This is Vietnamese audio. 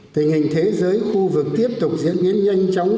tình hình thế giới khu vực tiếp tục diễn biến nhanh chóng